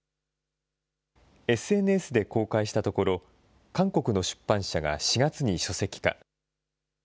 ＳＮＳで公開したところ、韓国の出版社が４月に書籍化。